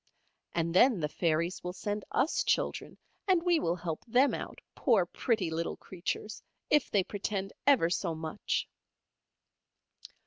And then the fairies will send us children, and we will help them out, poor pretty little creatures, if they pretend ever so much."